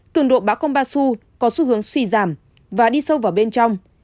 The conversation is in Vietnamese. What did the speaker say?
cường độ báo kompassu có xu hướng suy giảm và đi sâu vào bên trong